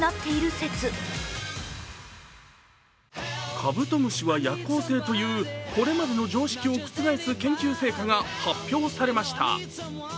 カブトムシは夜行性というこれまでの常識を覆す研究成果が発表されました。